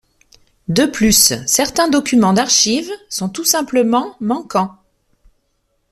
De plus certains documents d'archives sont tout simplement manquants.